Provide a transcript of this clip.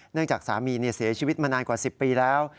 จากสามีเสียชีวิตมานานกว่า๑๐ปีแล้ว